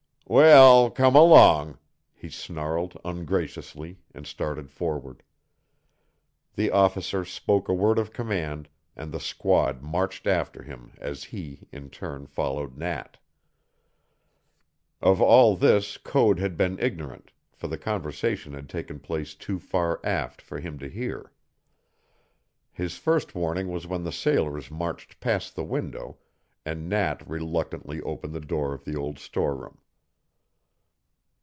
"Well, come along!" he snarled ungraciously, and started forward. The officer spoke a word of command, and the squad marched after him as he, in turn, followed Nat. Of all this Code had been ignorant, for the conversation had taken place too far aft for him to hear. His first warning was when the sailors marched past the window and Nat reluctantly opened the door of the old storeroom.